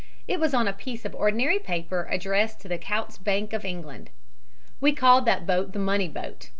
It was on a piece of ordinary paper addressed to the Coutts Bank of England. "We called that boat the 'money boat.'